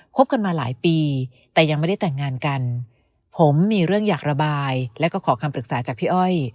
บกันมาหลายปีแต่ยังไม่ได้แต่งงานกันผมมีเรื่องอยากระบายแล้วก็ขอคำปรึกษาจากพี่อ้อย